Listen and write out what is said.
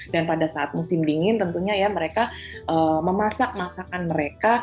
dan pada saat musim dingin tentunya ya mereka memasak masakan mereka